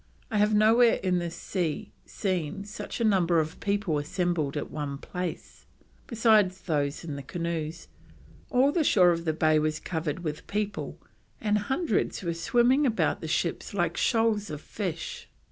I have nowhere in this sea seen such a number of people assembled at one place, besides those in the canoes, all the shore of the bay was covered with people and hundreds were swimming about the ships like shoals of fish.